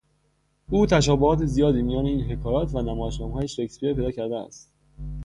او تشابهات زیادی میان این حکایات و نمایشنامههای شکسپیر پیدا کرده است.